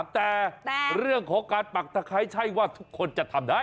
แต่เรื่องของการปักตะไคร้ใช่ว่าทุกคนจะทำได้